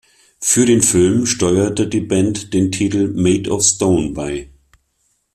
Für den Film steuerte die Band den Titel "Made of Stone" bei.